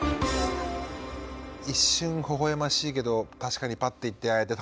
一瞬ほほえましいけど確かにパッと行ってああ